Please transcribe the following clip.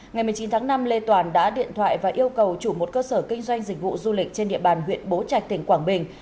ngày một mươi chín tháng năm lê toàn đã điện thoại và yêu cầu chủ một cơ sở kinh doanh dịch vụ du lịch trên địa bàn huyện bố trạch tỉnh quảng bình